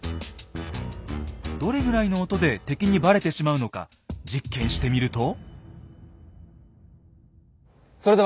どれぐらいの音で敵にバレてしまうのか実験してみると。